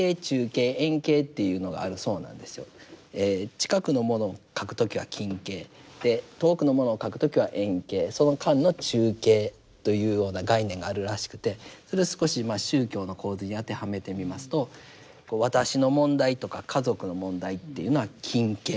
近くのものを描く時は近景で遠くのものを描く時は遠景その間の中景というような概念があるらしくてそれを少し宗教の構図に当てはめてみますと私の問題とか家族の問題っていうのは近景。